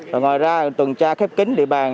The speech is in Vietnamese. và ngoài ra tường tra khép kính địa bàn